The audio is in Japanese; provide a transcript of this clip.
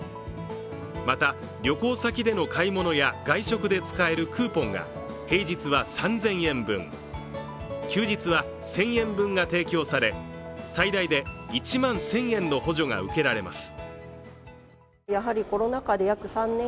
また、旅行先での買い物や外食で使えるクーポンが平日は３０００円分、休日は１０００円分が提供され最大で１万１０００円の補助が受けられます。